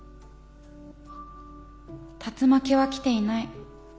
竜巻は来ていない。